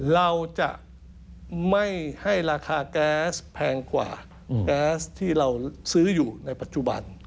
เราจะไม่ให้ราคาแก๊สแพงกว่าแก๊สที่เราซื้ออยู่ในปัจจุบัน